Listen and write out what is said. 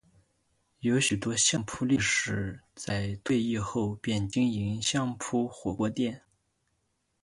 有许多相扑力士在退役后便经营相扑火锅店。